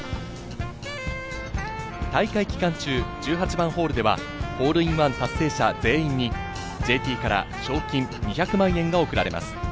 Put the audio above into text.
大会期間中、１８番ホールではホールインワン達成者全員にＪＴから賞金２００万円が贈られます。